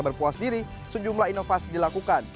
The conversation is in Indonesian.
berpuas diri sejumlah inovasi dilakukan